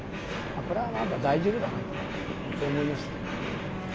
これはまだ大丈夫だなとそう思いましたけどもね。